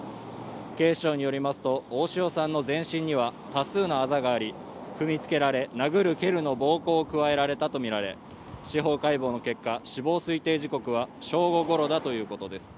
警視庁によりますと大塩さんの全身には多数のあざがあり踏みつけられ殴る蹴るの暴行を加えられたと見られ司法解剖の結果死亡推定時刻は正午ごろだということです